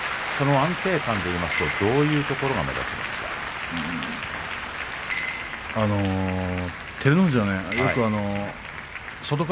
安定感で言いますとどういうところが目立ちますか。